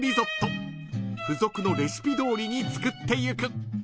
［付属のレシピどおりに作っていく］